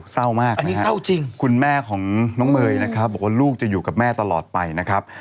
เศร้ามากอันนี้เศร้าจริงคุณแม่ของน้องเมย์นะครับบอกว่าลูกจะอยู่กับแม่ตลอดไปนะครับ